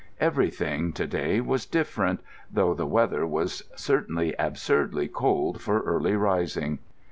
Everything, to day, was different, though the weather was certainly absurdly cold for early rising.